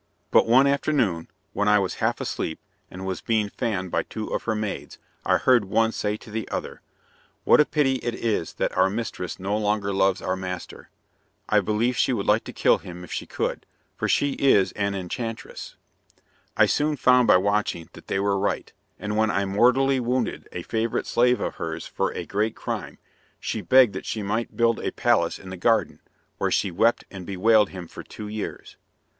But one afternoon, when I was half asleep, and was being fanned by two of her maids, I heard one say to the other, "What a pity it is that our mistress no longer loves our master! I believe she would like to kill him if she could, for she is an enchantress." I soon found by watching that they were right, and when I mortally wounded a favourite slave of hers for a great crime, she begged that she might build a palace in the garden, where she wept and bewailed him for two years.